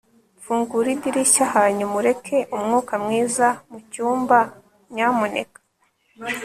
fungura idirishya hanyuma ureke umwuka mwiza mucyumba, nyamuneka